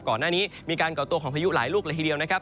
ก่อนหน้านี้มีการก่อตัวของพายุหลายลูกเลยทีเดียวนะครับ